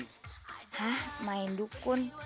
hah main dukun